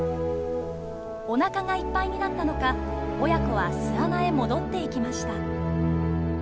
おなかがいっぱいになったのか親子は巣穴へ戻っていきました。